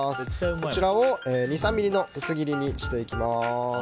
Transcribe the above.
こちらを２３ｍｍの薄切りにしていきます。